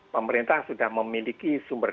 pemerintah sudah memiliki sumber